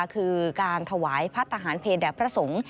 คือการถวายพระทหารเพลแด่พระสงฆ์